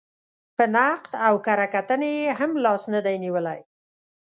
په نقد او کره کتنې یې هم لاس نه دی نېولی.